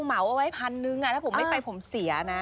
เหมาเอาไว้พันนึงถ้าผมไม่ไปผมเสียนะ